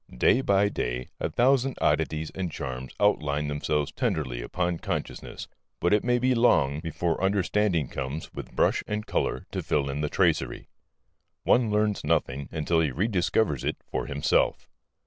Day by day a thousand oddities and charms outline themselves tenderly upon consciousness, but it may be long before understanding comes with brush and colour to fill in the tracery. One learns nothing until he rediscovers it for himself.